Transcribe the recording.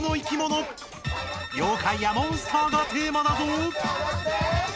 ようかいやモンスターがテーマだぞ！